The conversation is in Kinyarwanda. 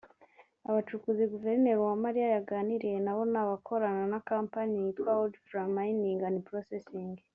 Abacukuzi guverineri Uwamariya yaganiriye na bo ni abakorana na kampani [company] yitwa Walfram Mining and Processing